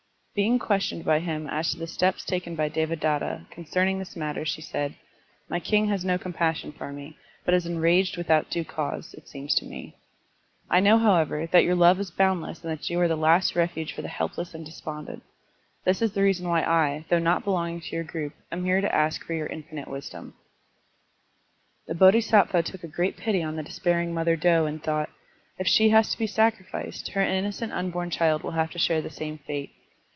Being questioned by him as to the steps taken by Devadatta concern ing this matter, she said: "My king has no compassion for me, but is enraged without due cause — it seems to me. I know, however, that your love is boimdless and that you are the last refuge for the helpless and despondent. This is the reason why I, though not belonging to your group, am here to ask for your infinite wisdom.*' The Bodhisattva took a great pity on the despairing mother doe and thought: If she has to be sacrificed, her innocent tmbom child will have to share the same fate.